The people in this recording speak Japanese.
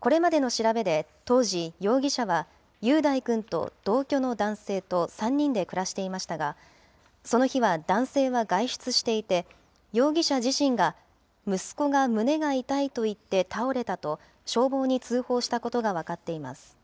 これまでの調べで、当時、容疑者は雄大君と同居の男性と３人で暮らしていましたが、その日は男性は外出していて、容疑者自身が息子が胸が痛いと言って倒れたと、消防に通報したことが分かっています。